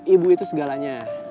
ibu itu segalanya